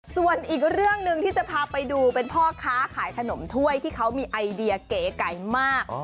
ส่วนอีกเรื่องหนึ่งที่จะพาไปดูเป็นพ่อค้าขายขนมถ้วยที่เขามีไอเดียเก๋ไก่มาก